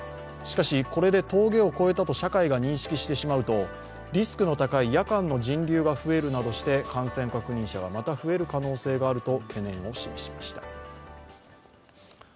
しかし、これで峠を越えたと社会が認識してしまうとリスクの高い夜間の人流が増えるなどして感染確認者がまた増える可能性があると懸念を示しました。